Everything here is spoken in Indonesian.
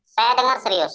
saya dengar serius